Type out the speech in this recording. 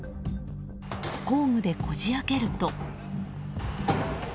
工具でこじ開けると。